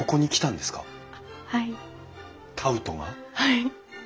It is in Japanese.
はい。